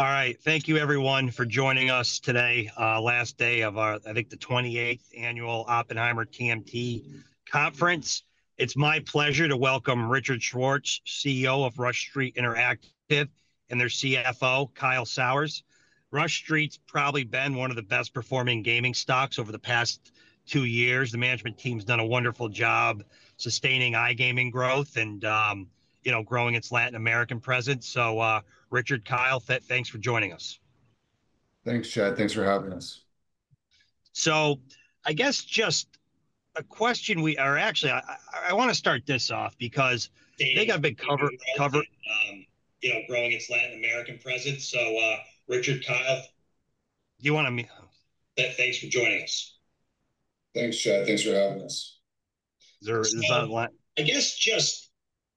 All right. Thank you, everyone, for joining us today. Last day of our, I think, the 28th Annual Oppenheimer TMT Conference. It's my pleasure to welcome Richard Schwartz, CEO of Rush Street Interactive, and their CFO, Kyle Sauers. Rush Street's probably been one of the best-performing gaming stocks over the past two years. The management team's done a wonderful job sustaining iGaming growth and growing its Latin American presence. Richard, Kyle, thanks for joining us. Thanks, Chad. Thanks for having us. I guess just a question we, or actually, I want to start this off because they got a bit covered in, you know, growing its Latin American presence. Richard, Kyle, do you want to, thanks for joining us. Thanks, Chad. Thanks for having us.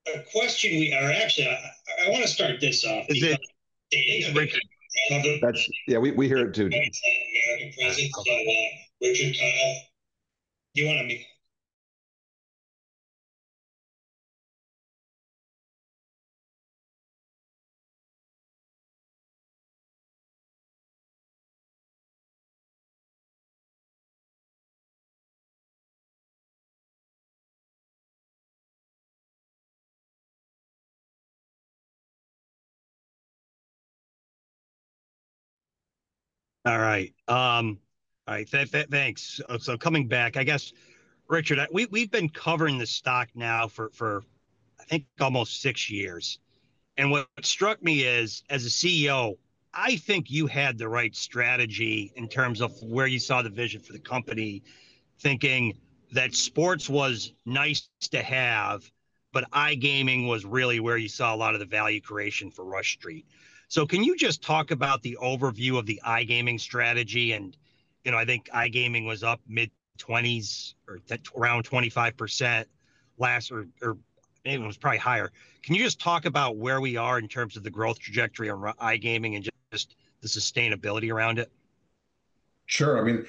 I want to start this off. Yeah, we hear it too. All right. Cool. Richard, Kyle, do you want to--all right. All right. Thanks. Coming back, I guess, Richard, we've been covering the stock now for, I think, almost six years. What struck me is, as a CEO, I think you had the right strategy in terms of where you saw the vision for the company, thinking that sports was nice to have, but iGaming was really where you saw a lot of the value creation for Rush Street. Can you just talk about the overview of the iGaming strategy? I think iGaming was up mid-20s or around 25% last--or maybe it was probably higher. Can you just talk about where we are in terms of the growth trajectory of iGaming and the sustainability around it? Sure. I mean,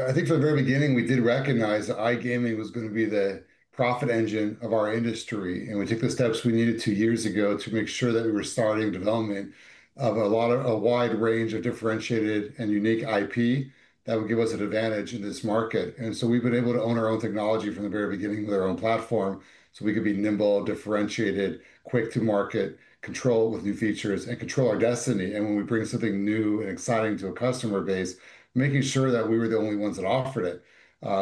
I think from the very beginning, we did recognize that iGaming was going to be the profit engine of our industry. We took the steps we needed two years ago to make sure that we were starting development of a lot of a wide range of differentiated and unique intellectual property that would give us an advantage in this market. We have been able to own our own technology from the very beginning with our own platform so we could be nimble, differentiated, quick to market, control with new features, and control our destiny. When we bring something new and exciting to a customer base, making sure that we were the only ones that offered it,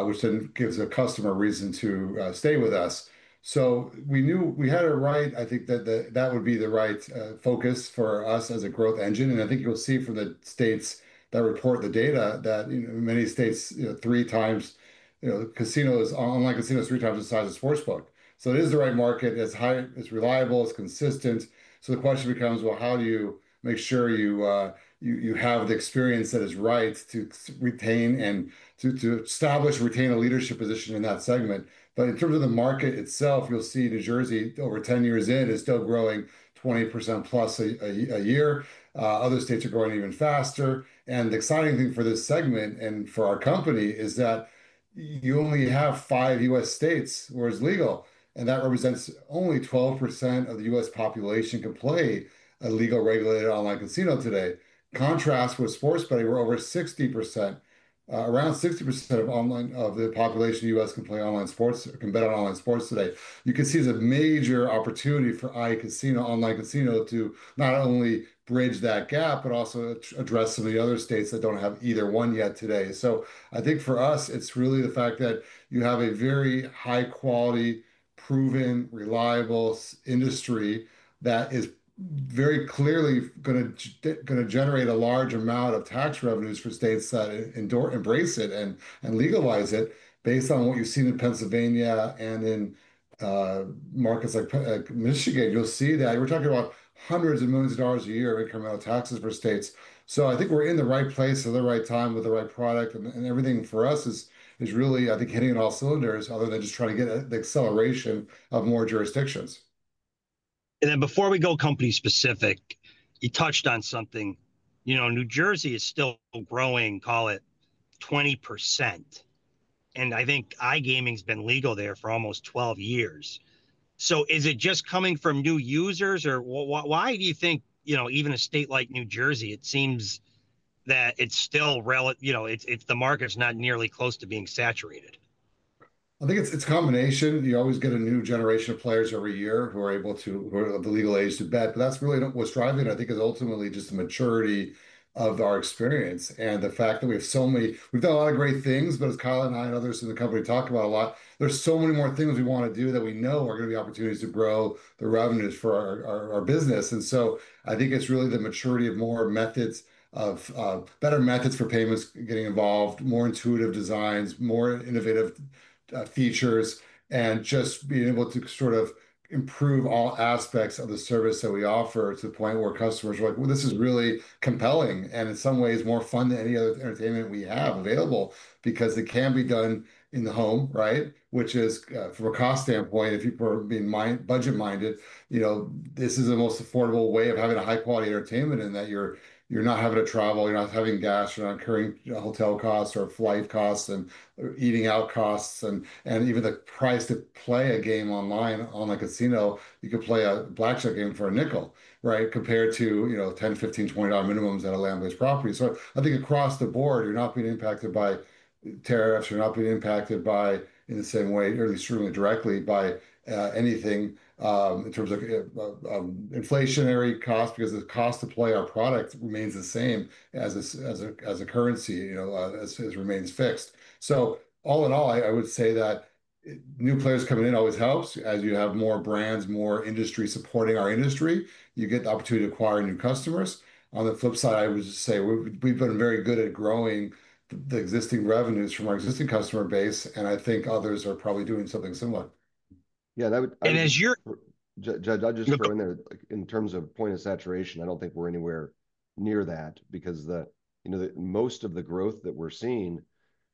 which then gives a customer a reason to stay with us. We knew we had it right. I think that that would be the right focus for us as a growth engine. I think you'll see from the states that report the data that in many states, you know, three times, you know, online casinos, three times the size of Sportsbook. It is the right market. It's high, it's reliable. It's consistent. The question becomes, how do you make sure you have the experience that is right to retain and to establish and retain a leadership position in that segment? In terms of the market itself, you'll see New Jersey, over 10 years in, is still growing 20%+ a year. Other states are growing even faster. The exciting thing for this segment and for our company is that you only have five US states where it's legal. That represents only 12% of the US population can play a legal-regulated online casino today. Contrast with sports betting, we're over 60%, around 60% of the population in the U.S. can play online sports or can bet on online sports today. You can see the major opportunity for iCasino, online casino to not only bridge that gap but also address some of the other states that don't have either one yet today. I think for us, it's really the fact that you have a very high-quality, proven, reliable industry that is very clearly going to generate a large amount of tax revenues for states that embrace it and legalize it. Based on what you've seen in Pennsylvania and in markets like Michigan, you'll see that we're talking about hundreds of millions of dollars a year in incremental taxes for states. I think we're in the right place at the right time with the right product. Everything for us is really, I think, hitting on all cylinders other than just trying to get the acceleration of more jurisdictions. Before we go company-specific, you touched on something. You know, New Jersey is still growing, call it 20%. I think iGaming's been legal there for almost 12 years. Is it just coming from new users? Why do you think, even a state like New Jersey, it seems that it's still, you know, the market's not nearly close to being saturated? I think it's a combination. You always get a new generation of players every year who are the legal age to bet. That's really what's driving, I think, is ultimately just the maturity of our experience and the fact that we have so many—we've done a lot of great things. As Kyle and I and others in the company talk about a lot, there are so many more things we want to do that we know are going to be opportunities to grow the revenues for our business. I think it's really the maturity of more methods, better methods for payments getting involved, more intuitive designs, more innovative features, and just being able to improve all aspects of the service that we offer to the point where customers are like, this is really compelling and in some ways more fun than any other entertainment we have available because it can be done in the home, right? From a cost standpoint, if people are being budget-minded, this is the most affordable way of having a high-quality entertainment in that you're not having to travel. You're not having gas. You're not incurring hotel costs or flight costs and eating out costs. Even the price to play a game online, online casino, you could play a blackjack game for $0.05, right, compared to $10, $15, $20 minimums at a land-based property. I think across the board, you're not being impacted by tariffs. You're not being impacted in the same way, or at least extremely directly, by anything in terms of inflationary costs because the cost to play our product remains the same as a currency, as it remains fixed. All in all, I would say that new players coming in always helps. As you have more brands, more industry supporting our industry, you get the opportunity to acquire new customers. On the flip side, I would say we've been very good at growing the existing revenues from our existing customer base. I think others are probably doing something similar. Yeah, that would, and as you're, I'll just throw in there, like in terms of point of saturation, I don't think we're anywhere near that because most of the growth that we're seeing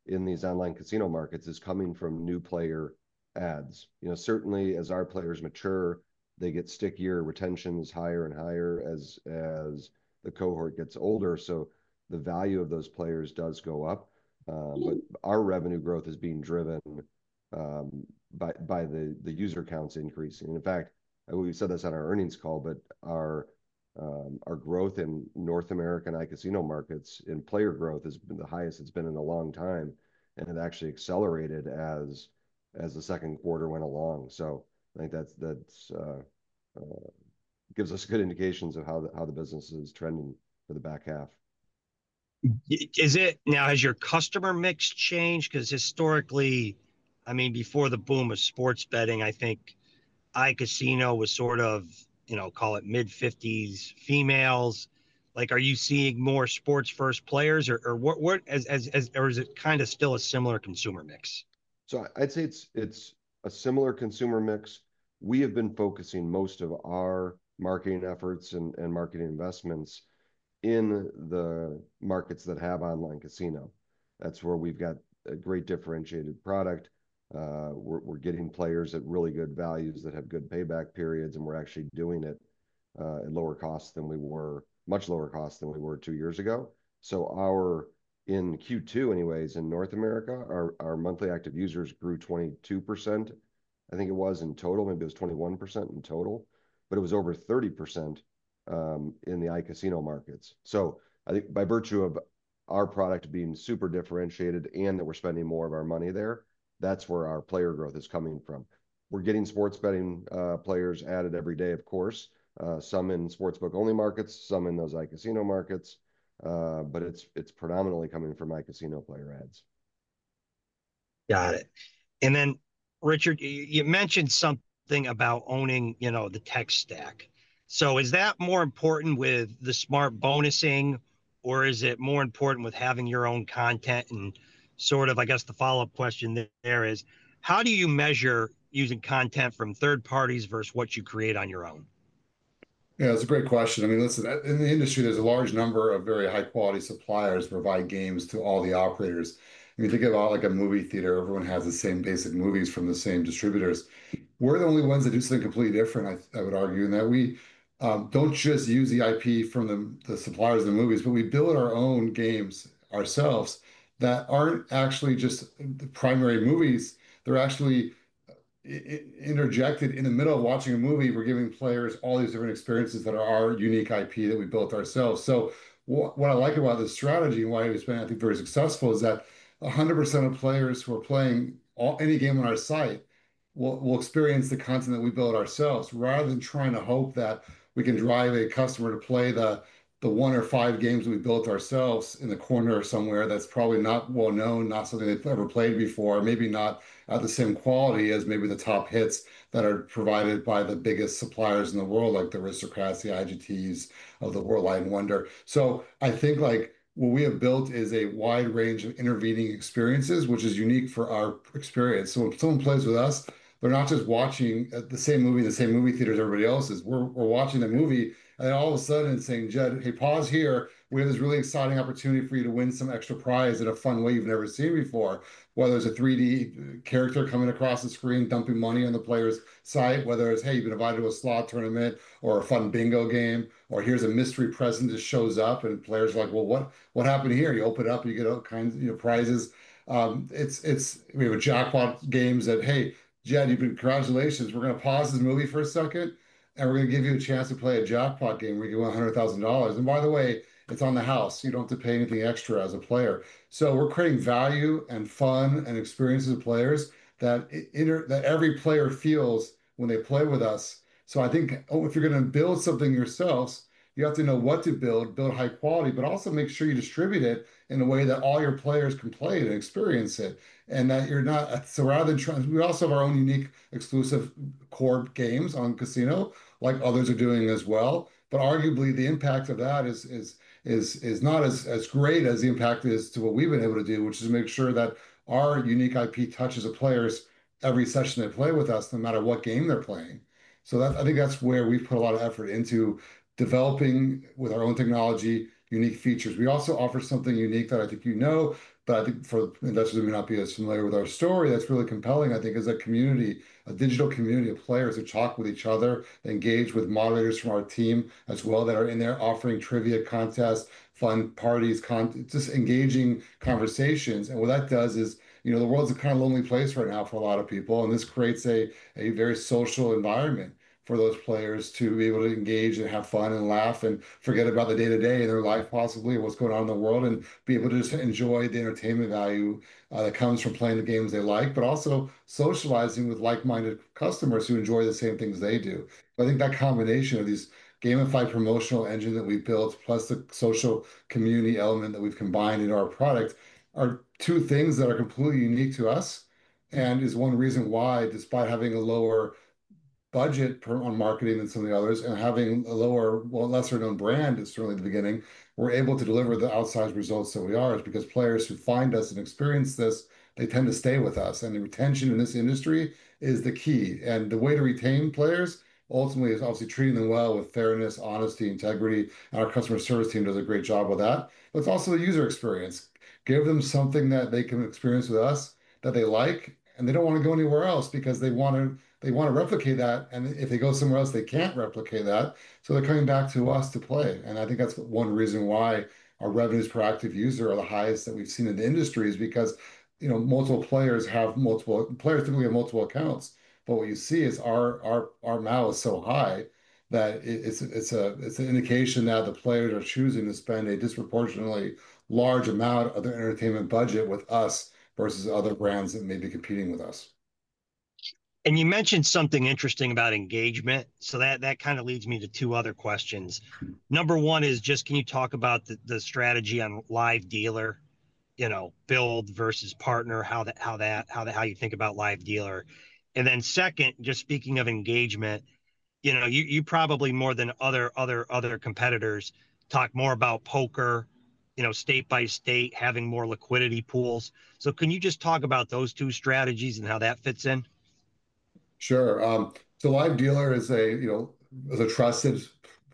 in these online casino markets is coming from new player ads. Certainly, as our players mature, they get stickier. Retention is higher and higher as the cohort gets older. The value of those players does go up, but our revenue growth is being driven by the user counts increasing. In fact, we said this on our earnings call, but our growth in North American iCasino markets in player growth has been the highest it's been in a long time. It actually accelerated as the second quarter went along. I think that gives us good indications of how the business is trending for the back half. Is it now, has your customer mix changed? Because historically, I mean, before the boom of sports betting, I think iCasino was sort of, you know, call it mid-50s females. Are you seeing more sports-first players? Or is it kind of still a similar consumer mix? I'd say it's a similar consumer mix. We have been focusing most of our marketing efforts and marketing investments in the markets that have online casino. That's where we've got a great differentiated product. We're getting players at really good values that have good payback periods. We're actually doing it at lower costs than we were, much lower costs than we were two years ago. In Q2 anyways, in North America, our monthly active users grew 22%. I think it was in total, maybe it was 21% in total. It was over 30% in the iCasino markets. I think by virtue of our product being super differentiated and that we're spending more of our money there, that's where our player growth is coming from. We're getting sports betting players added every day, of course, some in Sportsbook-only markets, some in those iCasino markets. It's predominantly coming from iCasino player ads. Got it. Richard, you mentioned something about owning, you know, the tech stack. Is that more important with the smart bonusing, or is it more important with having your own content? I guess the follow-up question there is, how do you measure using content from third parties versus what you create on your own? Yeah, that's a great question. In the industry, there's a large number of very high-quality suppliers that provide games to all the operators. Think about like a movie theater. Everyone has the same basic movies from the same distributors. We're the only ones that do something completely different, I would argue, in that we don't just use the intellectual property from the suppliers of the movies, but we build our own games ourselves that aren't actually just the primary movies. They're actually interjected in the middle of watching a movie. We're giving players all these different experiences that are our unique intellectual property that we built ourselves. What I like about this strategy and why it's been, I think, very successful is that 100% of players who are playing any game on our site will experience the content that we build ourselves rather than trying to hope that we can drive a customer to play the one or five games that we built ourselves in the corner somewhere that's probably not well known, not something they've ever played before, maybe not at the same quality as maybe the top hits that are provided by the biggest suppliers in the world, like the Aristocrat or IGTs of the world, Light & Wonder. I think what we have built is a wide range of intervening experiences, which is unique for our experience. If someone plays with us, they're not just watching the same movie in the same movie theater as everybody else is. We're watching a movie and all of a sudden saying, "Jed, hey, pause here. We have this really exciting opportunity for you to win some extra prize in a fun way you've never seen before." Whether it's a 3D character coming across the screen, dumping money on the player's side, whether it's, hey, you've been invited to a slot tournament or a fun bingo game, or here's a mystery present that shows up and players are like, "What happened here?" You open it up and you get all kinds of prizes. We have jackpot games of, "Hey, Jed, congratulations. We're going to pause this movie for a second and we're going to give you a chance to play a jackpot game where you can win $100,000. By the way, it's on the house. You don't have to pay anything extra as a player." We're creating value and fun and experiences with players that every player feels when they play with us. I think if you're going to build something yourselves, you have to know what to build, build high quality, but also make sure you distribute it in a way that all your players can play it and experience it and that you're not. We also have our own unique exclusive core games on casino, like others are doing as well. Arguably, the impact of that is not as great as the impact is to what we've been able to do, which is make sure that our unique intellectual property touches the players every session they play with us, no matter what game they're playing. I think that's where we've put a lot of effort into developing with our own technology, unique features. We also offer something unique that I think you know, but I think for investors who may not be as familiar with our story, that's really compelling, is a community, a digital community of players who talk with each other, engage with moderators from our team as well that are in there offering trivia contests, fun parties, just engaging conversations. What that does is, you know, the world's a kind of lonely place right now for a lot of people. This creates a very social environment for those players to be able to engage and have fun and laugh and forget about the day-to-day in their life, possibly, and what's going on in the world and be able to just enjoy the entertainment value that comes from playing the games they like, but also socializing with like-minded customers who enjoy the same things they do. I think that combination of this gamified promotional engine that we've built, plus the social community element that we've combined into our product, are two things that are completely unique to us and is one reason why, despite having a lower budget on marketing than some of the others and having a lesser-known brand, certainly at the beginning, we're able to deliver the outsized results that we are. It's because players who find us and experience this, they tend to stay with us. The retention in this industry is the key. The way to retain players ultimately is obviously treating them well with fairness, honesty, integrity. Our customer service team does a great job with that. It's also the user experience. Give them something that they can experience with us that they like. They don't want to go anywhere else because they want to replicate that. If they go somewhere else, they can't replicate that. They're coming back to us to play. I think that's one reason why our revenue per active user is the highest that we've seen in the industry, because multiple players typically have multiple accounts. What you see is our MAU is so high that it's an indication that the players are choosing to spend a disproportionately large amount of their entertainment budget with us versus other brands that may be competing with us. You mentioned something interesting about engagement. That leads me to two other questions. Number one is, can you talk about the strategy on Live Dealer, build versus partner, how you think about Live Dealer? Second, speaking of engagement, you probably, more than other competitors, talk more about poker, state by state, having more liquidity pools. Can you talk about those two strategies and how that fits in? Sure. Live Dealer is a trusted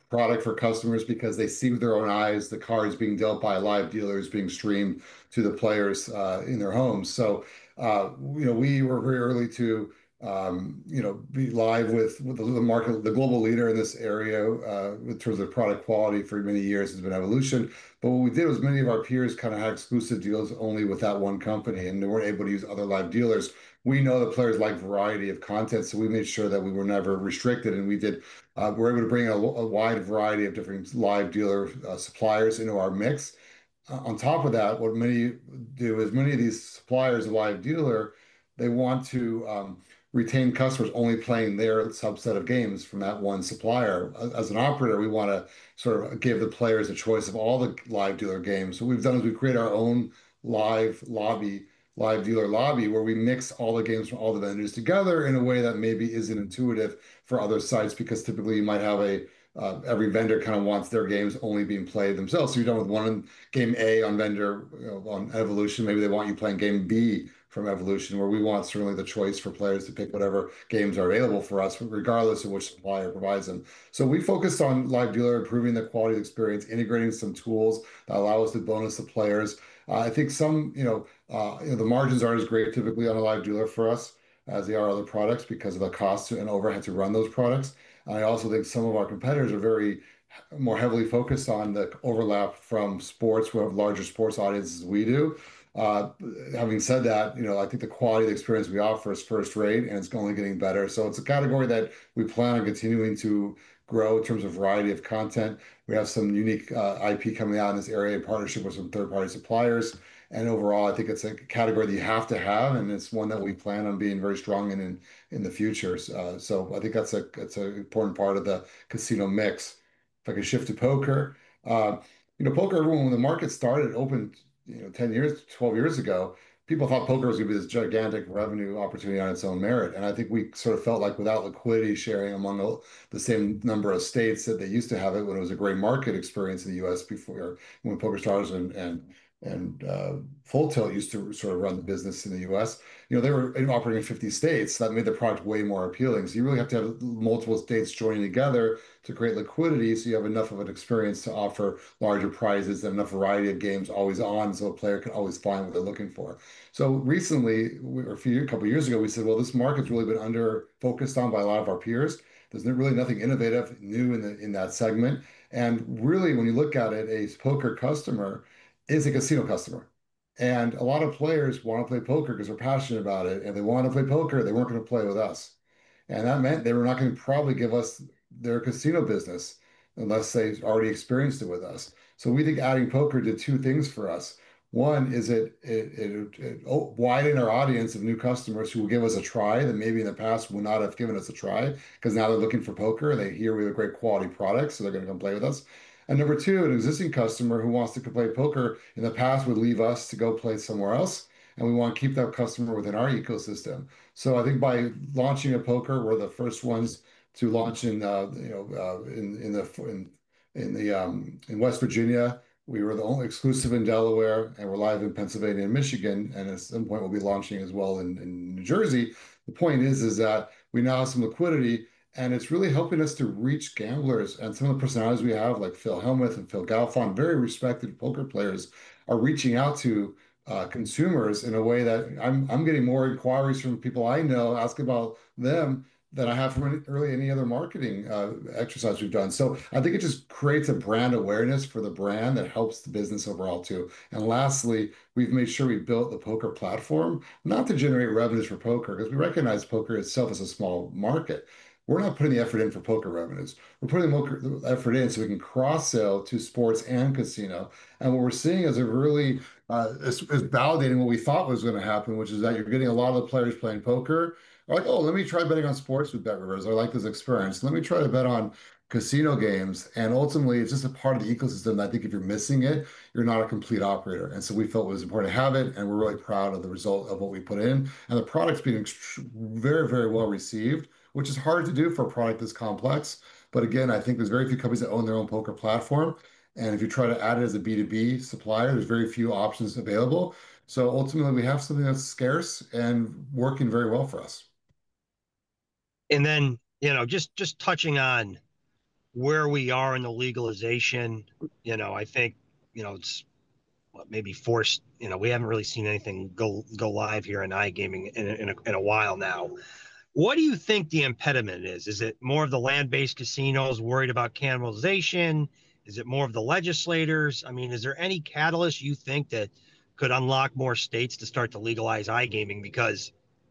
product for customers because they see with their own eyes the cards being dealt by Live Dealers being streamed to the players in their homes. We were very early to be live with the market, the global leader in this area in terms of product quality for many years. It's been an evolution. What we did was many of our peers had exclusive deals only with that one company and they weren't able to use other Live Dealers. We know that players like a variety of content. We made sure that we were never restricted, and we were able to bring in a wide variety of different Live Dealer suppliers into our mix. On top of that, what many do is many of these suppliers of Live Dealer want to retain customers only playing their subset of games from that one supplier. As an operator, we want to give the players a choice of all the Live Dealer games. What we've done is we create our own live lobby, Live Dealer lobby, where we mix all the games from all the venues together in a way that maybe isn't intuitive for other sites because typically you might have every vendor wanting their games only being played themselves. You're done with one game A on vendor, on Evolution. Maybe they want you playing game B from Evolution, where we want the choice for players to pick whatever games are available for us regardless of which supplier provides them. We focus on Live Dealer improving the quality of the experience, integrating some tools that allow us to bonus the players. I think the margins aren't as great typically on the Live Dealer for us as they are other products because of the cost and overhead to run those products. I also think some of our competitors are more heavily focused on the overlap from sports who have larger sports audiences than we do. Having said that, I think the quality of the experience we offer is first rate and it's only getting better. It's a category that we plan on continuing to grow in terms of a variety of content. We have some unique intellectual property coming out in this area in partnership with some third-party suppliers. Overall, I think it's a category that you have to have, and it's one that we plan on being very strong in in the future. I think that's an important part of the casino mix. If I could shift to poker, you know, poker, when the market started, it opened, you know, 10 years, 12 years ago, people thought poker was going to be this gigantic revenue opportunity on its own merit. I think we sort of felt like without liquidity sharing among the same number of states that they used to have it when it was a great market experience in the U.S. before when PokerStars and Full Tilt used to sort of run the business in the U.S., you know, they were operating in 50 states. That made the product way more appealing. You really have to have multiple states joining together to create liquidity so you have enough of an experience to offer larger prizes and enough variety of games always on so a player can always find what they're looking for. Recently, or a couple of years ago, we said this market's really been under-focused on by a lot of our peers. There's really nothing innovative new in that segment. When you look at it, a poker customer is a casino customer. A lot of players want to play poker because they're passionate about it, and they want to play poker. They weren't going to play with us, and that meant they were not going to probably give us their casino business unless they already experienced it with us. We think adding poker did two things for us. One is it widened our audience of new customers who will give us a try that maybe in the past would not have given us a try because now they're looking for poker and they hear we have a great quality product, so they're going to come play with us. Number two, an existing customer who wants to play poker in the past would leave us to go play somewhere else. We want to keep that customer within our ecosystem. I think by launching poker, we're the first ones to launch in West Virginia. We were the only exclusive in Delaware, and we're live in Pennsylvania and Michigan. At some point, we'll be launching as well in New Jersey. The point is that we now have some liquidity, and it's really helping us to reach gamblers. Some of the personalities we have, like Phil Hellmuth and Phil Galfond, very respected poker players, are reaching out to consumers in a way that I'm getting more inquiries from people I know asking about them than I have from really any other marketing exercise we've done. I think it just creates a brand awareness for the brand that helps the business overall too. Lastly, we've made sure we built the poker platform not to generate revenues for poker because we recognize poker itself as a small market. We're not putting the effort in for poker revenues. We're putting the effort in so we can cross-sell to sports and casino. What we're seeing is it really is validating what we thought was going to happen, which is that you're getting a lot of the players playing poker are like, oh, let me try betting on sports with BetRivers. I like this experience. Let me try to bet on casino games. Ultimately, it's just a part of the ecosystem that I think if you're missing it, you're not a complete operator. We felt it was important to have it. We're really proud of the result of what we put in. The product's been very, very well received, which is hard to do for a product this complex. I think there's very few companies that own their own poker platform. If you try to add it as a B2B supplier, there's very few options available. Ultimately, we have something that's scarce and working very well for us. Just touching on where we are in the legalization, I think it's maybe forced. We haven't really seen anything go live here in iGaming in a while now. What do you think the impediment is? Is it more of the land-based casinos worried about cannibalization? Is it more of the legislators? Is there any catalyst you think that could unlock more states to start to legalize iGaming?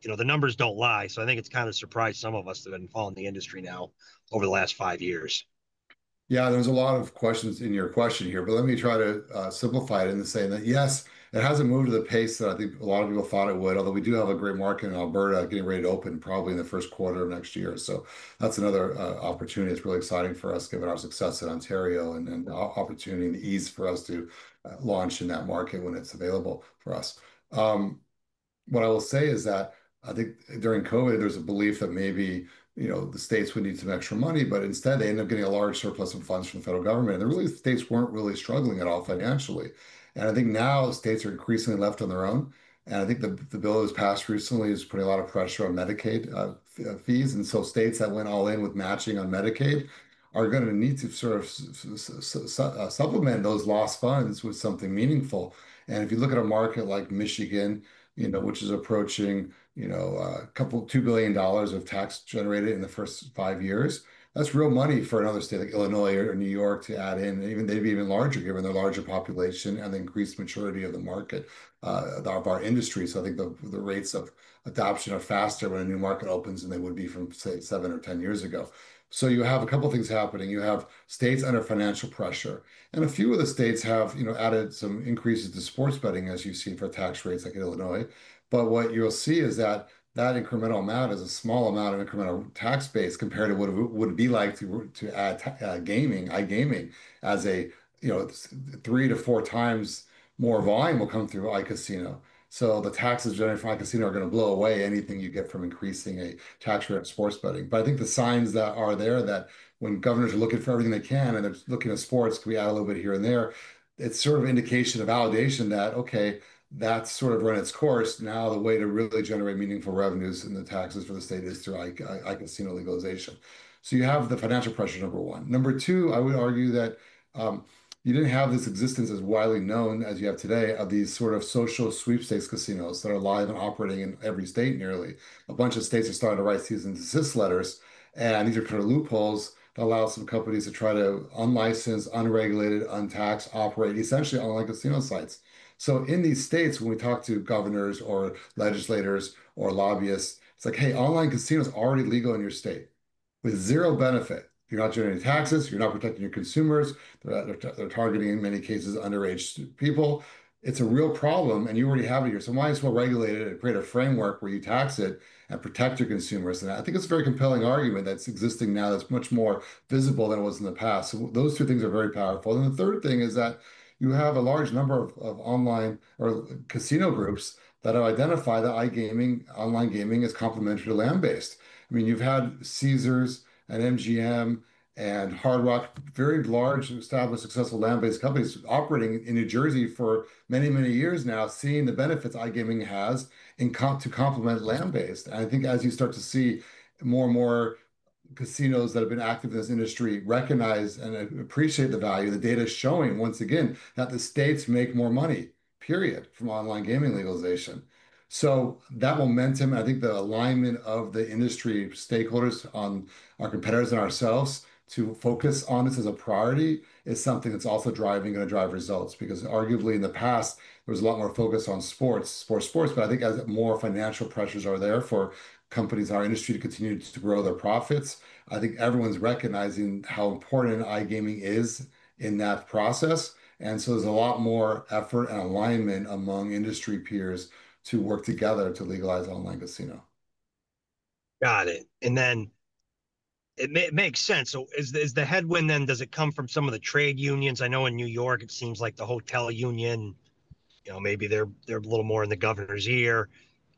The numbers don't lie. I think it's kind of surprised some of us that have been following the industry now over the last five years. Yeah, there's a lot of questions in your question here. Let me try to simplify it in saying that, yes, it hasn't moved at the pace that I think a lot of people thought it would, although we do have a great market in Alberta getting ready to open probably in the first quarter of next year. That's another opportunity. It's really exciting for us given our success in Ontario and the opportunity and the ease for us to launch in that market when it's available for us. What I will say is that I think during COVID, there's a belief that maybe, you know, the states would need some extra money, but instead, they end up getting a large surplus of funds from the federal government. Really, states weren't really struggling at all financially. I think now states are increasingly left on their own. I think the bill that was passed recently is putting a lot of pressure on Medicaid fees. States that went all in with matching on Medicaid are going to need to sort of supplement those lost funds with something meaningful. If you look at a market like Michigan, which is approaching, you know, a couple of $2 billion of tax generated in the first five years, that's real money for another state like Illinois or New York to add in, maybe even larger given the larger population and the increased maturity of the market, our industry. I think the rates of adoption are faster when a new market opens than they would be from, say, seven or 10 years ago. You have a couple of things happening. You have states under financial pressure. A few of the states have, you know, added some increases to sports betting, as you've seen for tax rates like in Illinois. What you'll see is that that incremental amount is a small amount of incremental tax base compared to what it would be like to add gaming, iGaming, as a, you know, three to four times more volume will come through iCasino. The taxes generated from iCasino are going to blow away anything you get from increasing a tax rate of sports betting. I think the signs that are there that when governors are looking for everything they can and they're looking at sports, can we add a little bit here and there? It's sort of an indication of validation that, OK, that's sort of run its course. Now the way to really generate meaningful revenues in the taxes for the state is through iCasino legalization. You have the financial pressure, number one. Number two, I would argue that you didn't have this existence as widely known as you have today of these sort of social sweepstakes casinos that are live and operating in every state nearly. A bunch of states are starting to write cease-and-desist letters. These are kind of loopholes that allow some companies to try to unlicense, unregulated, untaxed, operate essentially online casino sites. In these states, when we talk to governors or legislators or lobbyists, it's like, hey, online casino is already legal in your state with zero benefit. You're not generating taxes. You're not protecting your consumers. They're targeting, in many cases, underage people. It's a real problem. You already have it here. Why isn't it well regulated and create a framework where you tax it and protect your consumers? I think it's a very compelling argument that's existing now that's much more visible than it was in the past. Those two things are very powerful. The third thing is that you have a large number of online or casino groups that have identified that iGaming, online gaming, is complementary to land-based. I mean, you've had Caesars and MGM and Hard Rock, very large established successful land-based companies operating in New Jersey for many, many years now, seeing the benefits iGaming has to complement land-based. I think as you start to see more and more casinos that have been active in this industry recognize and appreciate the value, and the data is showing once again that the states make more money, period, from online gaming legalization. That momentum, and I think the alignment of the industry stakeholders on our competitors and ourselves to focus on this as a priority, is something that's also going to drive results because arguably in the past, there was a lot more focus on sports, sports, sports. I think as more fiscal pressures are there for companies in our industry to continue to grow their profits, everyone's recognizing how important iGaming is in that process. There's a lot more effort and alignment among industry peers to work together to legalize online casino. Got it. It makes sense. Is the headwind then, does it come from some of the trade unions? I know in New York, it seems like the hotel union, maybe they're a little more in the governor's ear.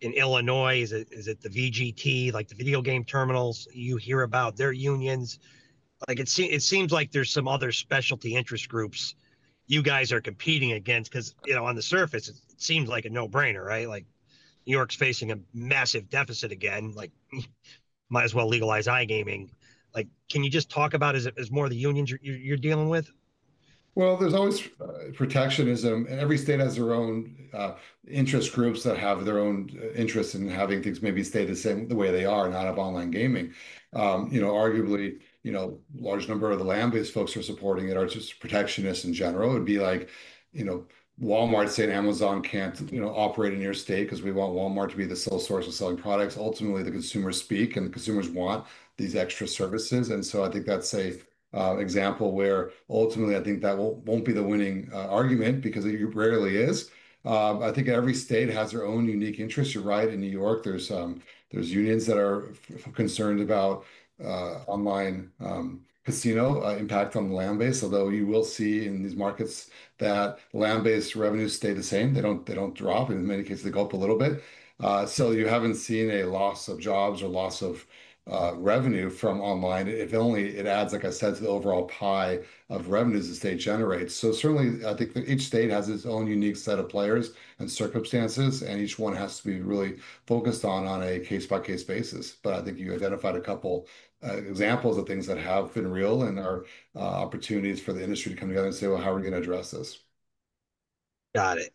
In Illinois, is it the VGT, like the video game terminals you hear about, their unions? It seems like there's some other specialty interest groups you guys are competing against because, you know, on the surface, it seems like a no-brainer, right? New York's facing a massive deficit again. Might as well legalize iGaming. Can you just talk about it as more of the unions you're dealing with? There's always protectionism. Every state has their own interest groups that have their own interest in having things maybe stay the same the way they are, not have online gaming. Arguably, a large number of the land-based folks who are supporting it are just protectionists in general. It would be like, you know, Walmart, say, and Amazon can't operate in your state because we want Walmart to be the sole source of selling products. Ultimately, the consumers speak and the consumers want these extra services. I think that's an example where ultimately I think that won't be the winning argument because it rarely is. I think every state has their own unique interest. You're right. In New York, there's unions that are concerned about online casino impact from the land-based, although you will see in these markets that land-based revenues stay the same. They don't drop. In many cases, they go up a little bit. You haven't seen a loss of jobs or loss of revenue from online. If only it adds, like I said, to the overall pie of revenues the state generates. Certainly, I think each state has its own unique set of players and circumstances. Each one has to be really focused on a case-by-case basis. I think you identified a couple examples of things that have been real and are opportunities for the industry to come together and say, how are we going to address this? Got it.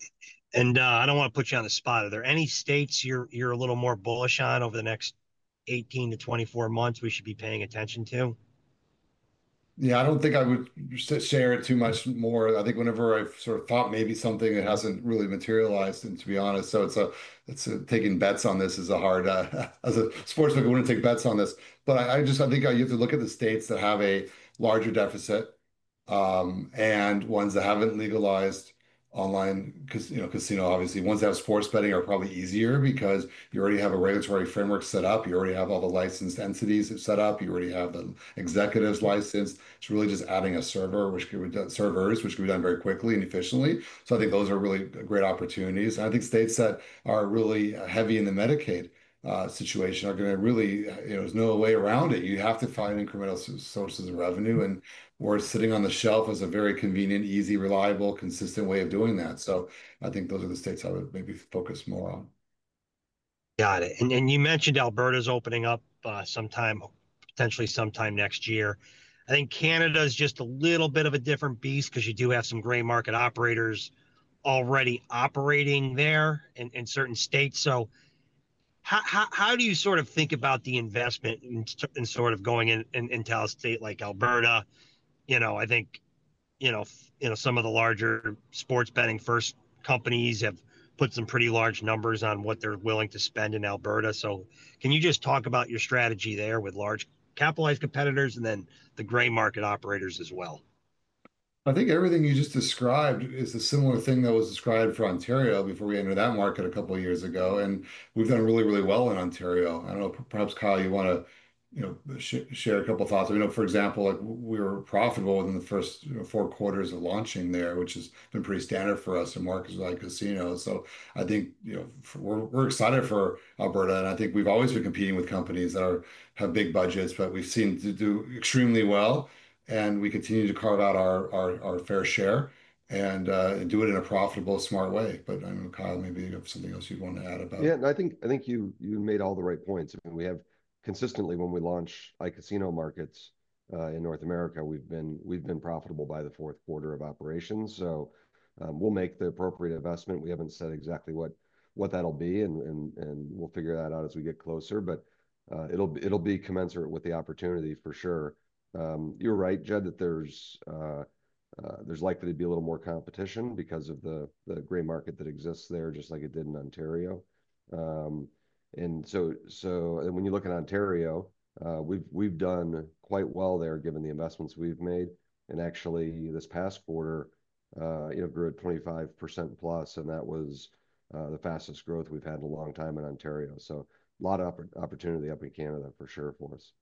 I don't want to put you on the spot. Are there any states you're a little more bullish on over the next 18 months to 24 months we should be paying attention to? Yeah, I don't think I would share it too much more. I think whenever I've sort of thought maybe something that hasn't really materialized, and to be honest, it's taking bets on this is hard. As a sports fan, I wouldn't take bets on this. I just think you have to look at the states that have a larger deficit and ones that haven't legalized online casino. Obviously, ones that have sports betting are probably easier because you already have a regulatory framework set up. You already have all the licensed entities set up. You already have the executives licensed. It's really just adding a server, which could be done, servers, which could be done very quickly and efficiently. I think those are really great opportunities. I think states that are really heavy in the Medicaid situation are going to really, you know, there's no way around it. You have to find incremental sources of revenue, and where it's sitting on the shelf is a very convenient, easy, reliable, consistent way of doing that. I think those are the states I would maybe focus more on. Got it. You mentioned Alberta is opening up potentially sometime next year. I think Canada is just a little bit of a different beast because you do have some gray market operators already operating there in certain provinces. How do you sort of think about the investment in going into a province like Alberta? I think some of the larger sports betting first companies have put some pretty large numbers on what they're willing to spend in Alberta. Can you just talk about your strategy there with large capitalized competitors and the gray market operators as well? I think everything you just described is a similar thing that was described for Ontario before we entered that market a couple of years ago. We've done really, really well in Ontario. I don't know, perhaps, Kyle, you want to share a couple of thoughts. For example, we were profitable within the first four quarters of launching there, which has been pretty standard for us in markets like casinos. I think we're excited for Alberta. I think we've always been competing with companies that have big budgets, but we've seen to do extremely well. We continue to carve out our fair share and do it in a profitable, smart way. I don't know, Kyle, maybe you have something else you'd want to add about. Yeah, and I think you made all the right points. I mean, we have consistently, when we launch iCasino markets in North America, we've been profitable by the fourth quarter of operations. We'll make the appropriate investment. We haven't said exactly what that'll be, and we'll figure that out as we get closer. It'll be commensurate with the opportunities for sure. You're right, Jed, that there's likely to be a little more competition because of the gray market that exists there, just like it did in Ontario. When you look at Ontario, we've done quite well there given the investments we've made. Actually, this past quarter, it grew at 25% plus. That was the fastest growth we've had in a long time in Ontario. A lot of opportunity up in Canada for sure for us.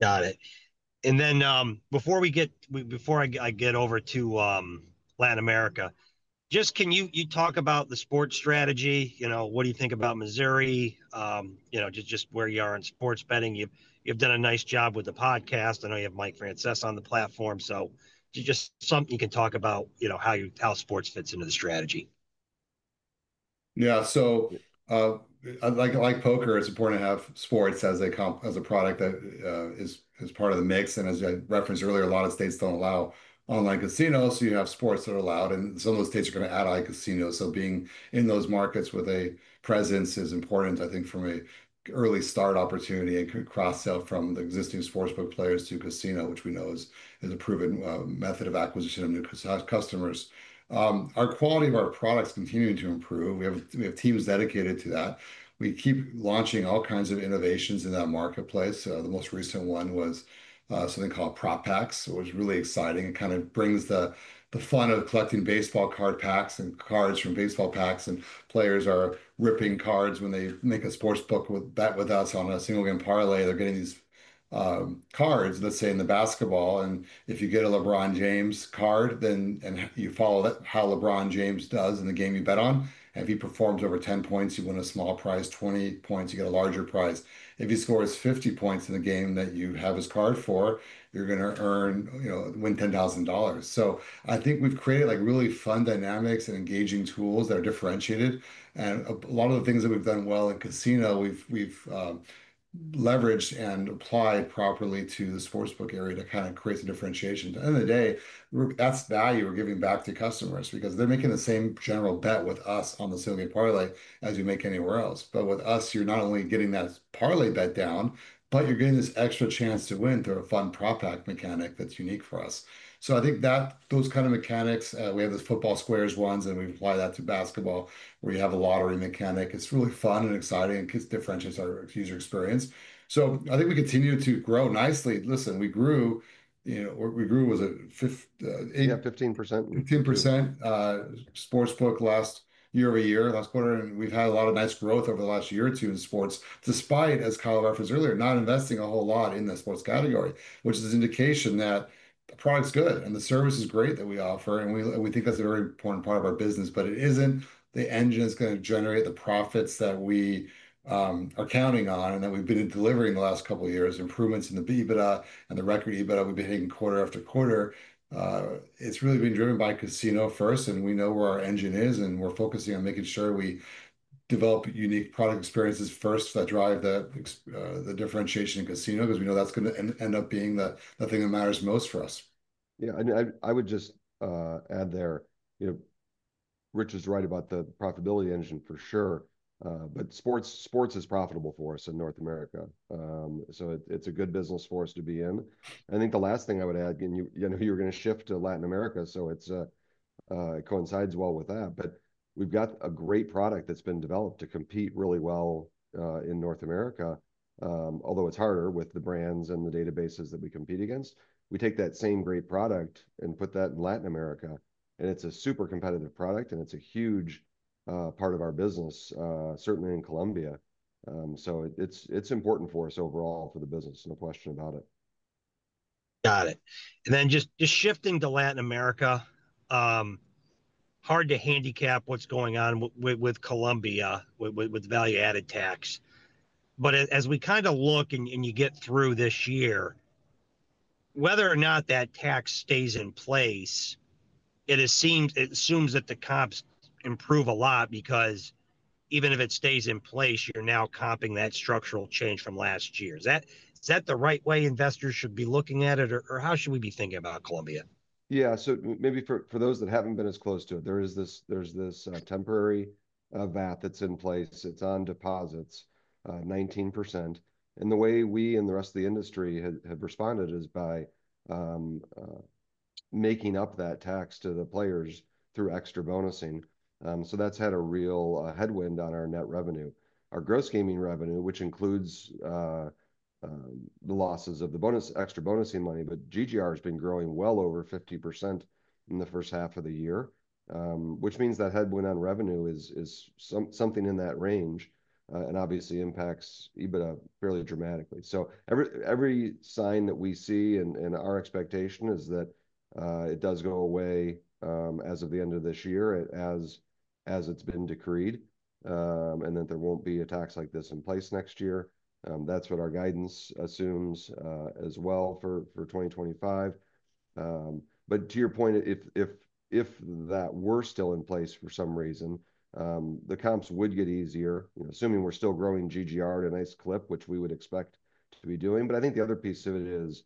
Got it. Before I get over to Latin America, can you talk about the sports strategy? What do you think about Missouri? Where are you in sports betting? You've done a nice job with the podcast. I know you have Mike Francesa on the platform. Can you talk about how sports fits into the strategy? Yeah, so I'd like to like poker. It's important to have sports as a product that is part of the mix. As I referenced earlier, a lot of states don't allow online casinos. You have sports that are allowed, and some of those states are going to add iCasino. Being in those markets with a presence is important, I think, from an early start opportunity and cross-sell from the existing sportsbook players to casino, which we know is a proven method of acquisition of new customers. Our quality of our product is continuing to improve. We have teams dedicated to that. We keep launching all kinds of innovations in that marketplace. The most recent one was something called Prop Packs, which is really exciting. It kind of brings the fun of collecting baseball card packs and cards from baseball packs. Players are ripping cards when they make a sportsbook bet with us on a single-game parlay. They're getting these cards, let's say, in the basketball. If you get a LeBron James card, and you follow how LeBron James does in the game you bet on, if he performs over 10 points, you win a small prize. 20 points, you get a larger prize. If he scores 50 points in a game that you have his card for, you're going to earn, you know, win $10,000. I think we've created really fun dynamics and engaging tools that are differentiated. A lot of the things that we've done well in casino, we've leveraged and applied properly to the sportsbook area to create some differentiation. At the end of the day, the best value we're giving back to customers because they're making the same general bet with us on the single-game parlay as you make anywhere else. With us, you're not only getting that parlay bet down, but you're getting this extra chance to win through a fun Prop Pack mechanic that's unique for us. I think that those kind of mechanics, we have those football squares ones, and we apply that to basketball, where you have a lottery mechanic. It's really fun and exciting. It differentiates our user experience. I think we continue to grow nicely. Listen, we grew, you know, we grew, was it 15%? 15% sportsbook last year-over-year, last quarter. We've had a lot of nice growth over the last year or two in sports, despite, as Kyle referenced earlier, not investing a whole lot in the sports category, which is an indication that the product's good and the service is great that we offer. We think that's a very important part of our business. It isn't the engine that's going to generate the profits that we are counting on and that we've been delivering the last couple of years. Improvements in the EBITDA and the record EBITDA we've been hitting quarter after quarter have really been driven by casino first. We know where our engine is, and we're focusing on making sure we develop unique product experiences first that drive the differentiation in casino because we know that's going to end up being the thing that matters most for us. Yeah, I mean, I would just add there, you know, Rich is right about the profitability engine for sure. Sports is profitable for us in North America. It's a good business for us to be in. I think the last thing I would add, you know, you're going to shift to Latin America. It coincides well with that. We've got a great product that's been developed to compete really well in North America, although it's harder with the brands and the databases that we compete against. We take that same great product and put that in Latin America, and it's a super competitive product. It's a huge part of our business, certainly in Colombia. It's important for us overall for the business. No question about it. Got it. Just shifting to Latin America, hard to handicap what's going on with Colombia with value-added tax. As we kind of look and you get through this year, whether or not that tax stays in place, it assumes that the comps improve a lot because even if it stays in place, you're now comping that structural change from last year. Is that the right way investors should be looking at it? How should we be thinking about Colombia? Yeah, so maybe for those that haven't been as close to it, there is this temporary value-added tax that's in place. It's on deposits, 19%. The way we and the rest of the industry have responded is by making up that tax to the players through extra bonusing. That's had a real headwind on our net revenue. Our gross gaming revenue, which includes the losses of the extra bonusing money, but GGR has been growing well over 50% in the first half of the year, which means that headwind on revenue is something in that range and obviously impacts EBITDA fairly dramatically. Every sign that we see and our expectation is that it does go away as of the end of this year, as it's been decreed, and that there won't be a tax like this in place next year. That's what our guidance assumes as well for 2025. To your point, if that were still in place for some reason, the comps would get easier, assuming we're still growing GGR at a nice clip, which we would expect to be doing. I think the other piece of it is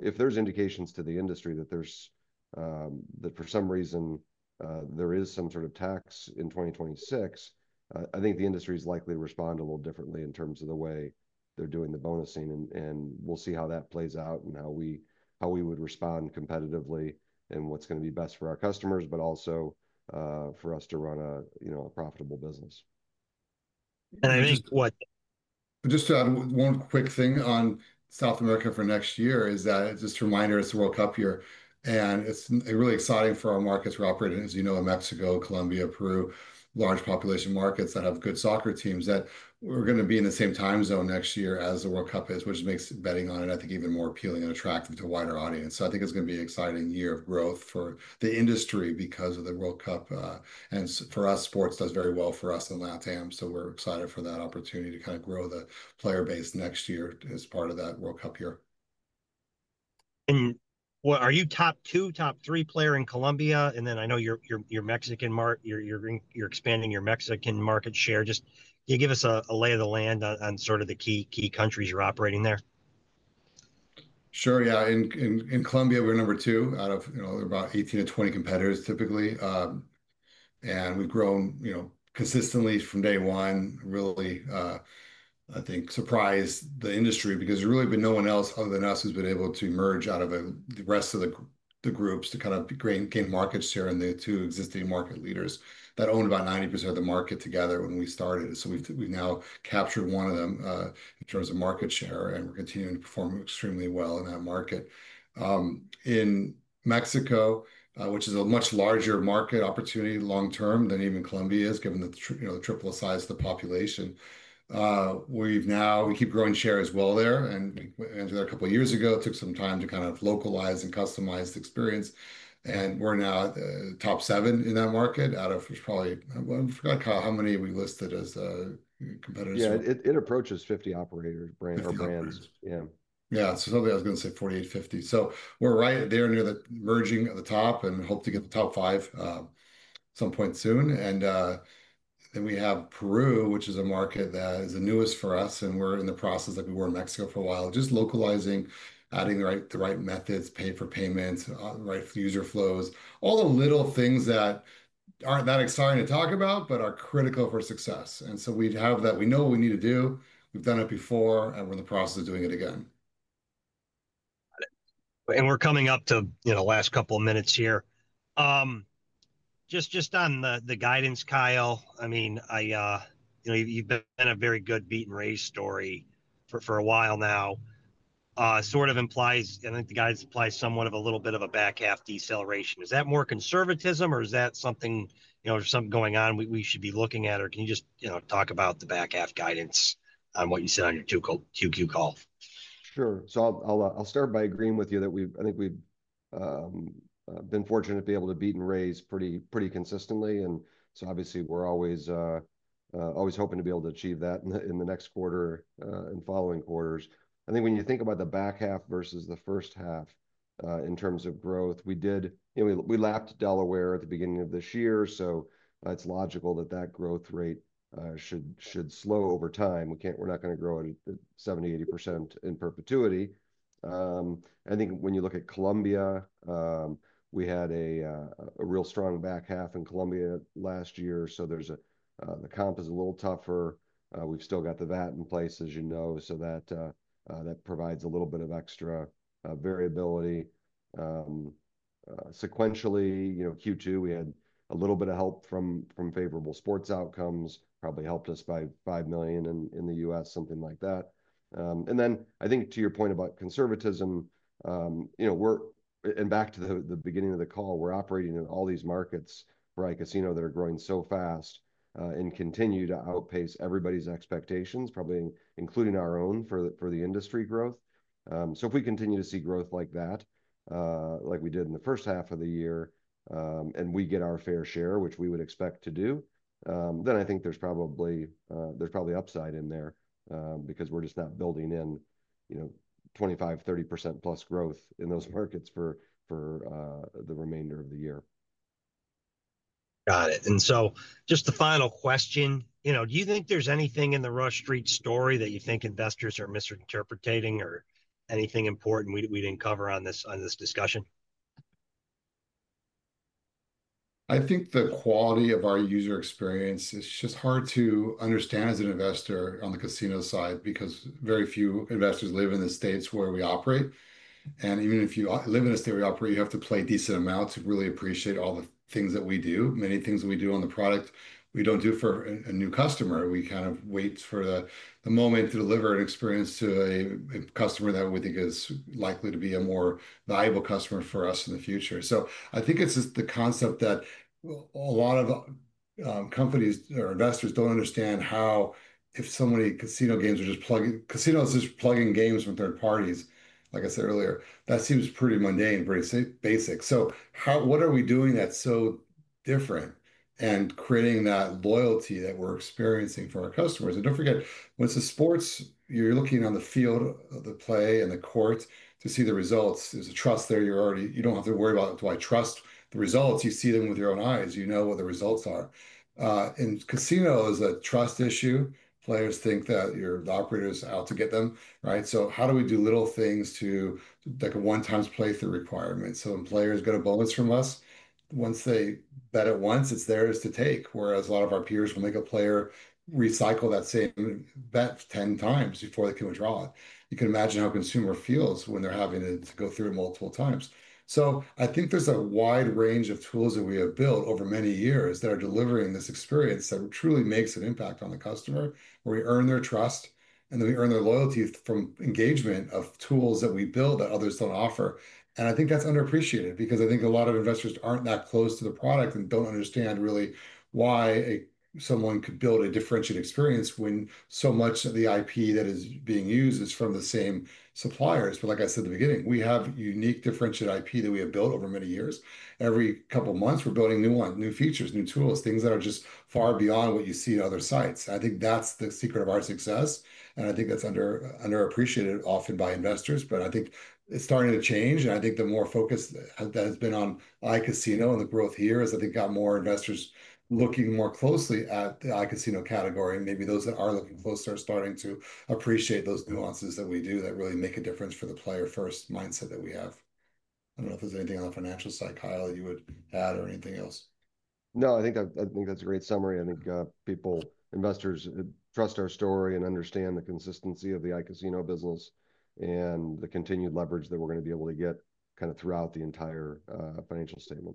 if there's indications to the industry that for some reason there is some sort of tax in 2026, I think the industry is likely to respond a little differently in terms of the way they're doing the bonusing. We'll see how that plays out and how we would respond competitively and what's going to be best for our customers, but also for us to run a profitable business. I think what. Just one quick thing on South America for next year is that just a reminder as to World Cup here. It's really exciting for our markets. We're operating in, as you know, in Mexico, Colombia, Peru, large population markets that have good soccer teams. We're going to be in the same time zone next year as the World Cup is, which makes betting on it, I think, even more appealing and attractive to a wider audience. I think it's going to be an exciting year of growth for the industry because of the World Cup. For us, sports does very well for us in Latin America. We're excited for that opportunity to kind of grow the player base next year as part of that World Cup year. Are you top two, top three player in Colombia? I know you're expanding your Mexican market share. Can you give us a lay of the land on the key countries you're operating there? Sure, yeah. In Colombia, we're number two out of about 18 to 20 competitors typically. We've grown consistently from day one, really, I think, surprised the industry because there's really been no one else other than us who's been able to emerge out of the rest of the groups to kind of gain market share in the two existing market leaders that owned about 90% of the market together when we started. We've now captured one of them in terms of market share. We're continuing to perform extremely well in that market. In Mexico, which is a much larger market opportunity long term than even Colombia is, given the triple size of the population, we keep growing share as well there. We entered that a couple of years ago. It took some time to kind of localize and customize the experience. We're now at the top seven in that market out of probably, I forgot how many we listed as competitors. Yeah, it approaches 50 operators, our brands. Yeah, something I was going to say, 48, 50. We're right there near the merging at the top and hope to get the top five at some point soon. We have Peru, which is a market that is the newest for us. We're in the process, like we were in Mexico for a while, just localizing, adding the right methods, pay for payments, right for the user flows, all the little things that aren't that exciting to talk about but are critical for success. We have that. We know what we need to do. We've done it before. We're in the process of doing it again. We're coming up to the last couple of minutes here. Just on the guidance, Kyle, I mean, you've been a very good beat-and-raise story for a while now. I think the guidance implies somewhat of a little bit of a back-half deceleration. Is that more conservatism or is that something we should be looking at? Can you talk about the back-half guidance on what you said on your Q2 call? Sure. I'll start by agreeing with you that I think we've been fortunate to be able to beat and raise pretty consistently. Obviously, we're always hoping to be able to achieve that in the next quarter and following quarters. I think when you think about the back half versus the first half in terms of growth, we did lap Delaware at the beginning of this year. It is logical that the growth rate should slow over time. We're not going to grow at 70%, 80% in perpetuity. I think when you look at Colombia, we had a real strong back half in Colombia last year, so the comp is a little tougher. We've still got the value-added tax in place, as you know. That provides a little bit of extra variability. Sequentially, Q2, we had a little bit of help from favorable sports outcomes, probably helped us by $5 million in the U.S., something like that. To your point about conservatism, and back to the beginning of the call, we're operating in all these markets for iCasino that are growing so fast and continue to outpace everybody's expectations, probably including our own for the industry growth. If we continue to see growth like that, like we did in the first half of the year, and we get our fair share, which we would expect to do, then I think there's probably upside in there because we're just not building in 25%, 30%+ growth in those markets for the remainder of the year. Got it. Just the final question, do you think there's anything in the Rush Street story that you think investors are misinterpreting or anything important we didn't cover in this discussion? I think the quality of our user experience is just hard to understand as an investor on the casino side because very few investors live in the states where we operate. Even if you live in a state where we operate, you have to play decent amounts to really appreciate all the things that we do. Many things that we do on the product we don't do for a new customer. We kind of wait for the moment to deliver an experience to a customer that we think is likely to be a more valuable customer for us in the future. I think it's just the concept that a lot of companies or investors don't understand, how if so many casino games are just plugging, casinos just plugging games from third parties, like I said earlier, that seems pretty mundane, pretty basic. What are we doing that's so different and creating that loyalty that we're experiencing for our customers? Don't forget, when it's a sport, you're looking on the field of the play and the court to see the results. There's a trust there already, you don't have to worry about it. It's why you trust the results. You see them with your own eyes. You know what the results are. Casino is a trust issue. Players think that the operator is out to get them, right? How do we do little things like a one-time playthrough requirement? When players get a bonus from us, once they bet it once, it's theirs to take. Whereas a lot of our peers will make a player recycle that same bet 10x before they can withdraw it. You can imagine how a consumer feels when they're having to go through it multiple times. I think there's a wide range of tools that we have built over many years that are delivering this experience that truly makes an impact on the customer, where we earn their trust and then we earn their loyalty from engagement of tools that we build that others don't offer. I think that's underappreciated because a lot of investors aren't that close to the product and don't understand really why someone could build a differentiated experience when so much of the intellectual property that is being used is from the same suppliers. Like I said at the beginning, we have unique differentiated intellectual property that we have built over many years. Every couple of months, we're building new features, new tools, things that are just far beyond what you see in other sites. I think that's the secret of our success. I think that's underappreciated often by investors. I think it's starting to change. I think the more focus that has been on iCasino and the growth here has got more investors looking more closely at the iCasino category. Maybe those that are looking closer are starting to appreciate those nuances that we do that really make a difference for the player-first mindset that we have. I don't know if there's anything on the financial side, Kyle, that you would add or anything else. No, I think that's a great summary. I think people, investors, trust our story and understand the consistency of the iCasino business and the continued leverage that we're going to be able to get throughout the entire financial statement.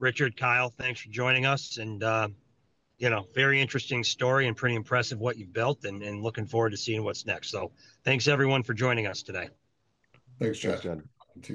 Richard, Kyle, thanks for joining us. You know, very interesting story and pretty impressive what you've built. Looking forward to seeing what's next. Thanks, everyone, for joining us today. Thanks, Chad. Thank you.